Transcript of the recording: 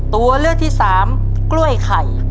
ตัวเลือกที่สามกล้วยไข่